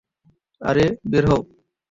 আরে, বের হও।